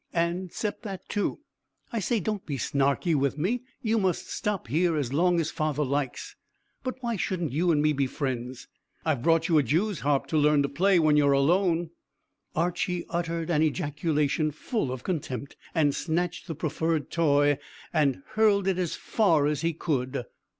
"And 'cept that too. I say, don't be snarky with me. You must stop here as long as father likes, but why shouldn't you and me be friends? I've brought you a Jew's harp to learn to play when you're alone." Archy uttered an ejaculation full of contempt, and snatched the proffered toy and hurled it as far as he could.